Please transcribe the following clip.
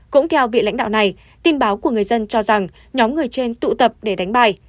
cũng theo vị lãnh đạo này tin báo của người dân cho rằng nhóm người trên tụ tập để đánh bài